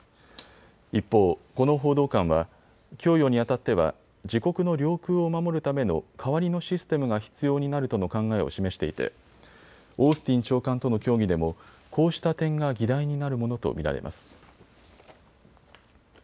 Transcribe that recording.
一方、この報道官は供与にあたっては自国の領空を守るための代わりのシステムが必要になるとの考えを示していてオースティン長官との協議でもこうした点が議題になるものと見られます。